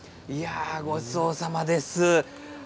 ごちそうさまです。